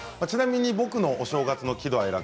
ちなみに僕のお正月の喜怒哀